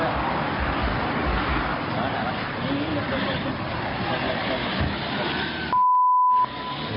อู้หู